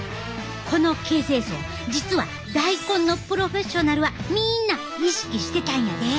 この形成層実は大根のプロフェッショナルはみんな意識してたんやで。